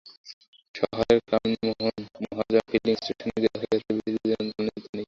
শহরের কামিনীমোহন মহাজন ফিলিং স্টেশনে গিয়ে দেখা গেছে, বিক্রির জন্য জ্বালানি তেল নেই।